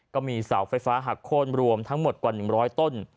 ก็มีเสาไฟฟ้าหักโค้นรวมทั้งหมดกว่า๑๐๐ต้น